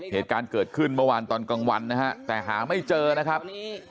เหตุการณ์เกิดขึ้นเมื่อวานตอนกลางวันนะฮะแต่หาไม่เจอนะครับ